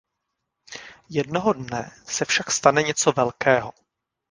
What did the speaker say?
Jednoho dne se však stane něco velkého.